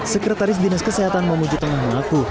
sekretaris dinas kesehatan mamuju tengah mengaku